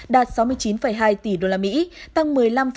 đạt sáu mươi chín hai tỷ usd tăng một mươi năm